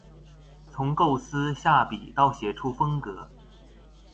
從構思、下筆到寫出風格